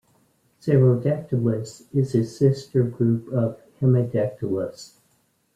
"Cyrtodactylus" is a sister group of "Hemidactylus".